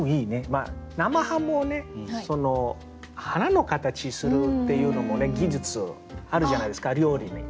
生ハムをね花の形にするっていうのも技術あるじゃないですか料理に。